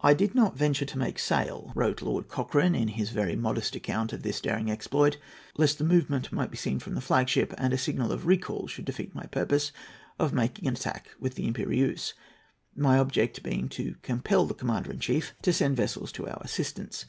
"I did not venture to make sail," wrote Lord Cochrane, in his very modest account of this daring exploit, "lest the movement might be seen from the flag ship, and a signal of recall should defeat my purpose of making an attack with the Impérieuse ; my object being to compel the Commander in Chief to send vessels to our assistance.